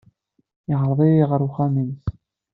Yeɛreḍ-iyi ɣer uxxam-nnes.